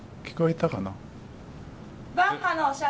聞こえたかな？